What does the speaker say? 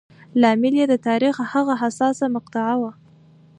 لامل یې د تاریخ هغه حساسه مقطعه وه.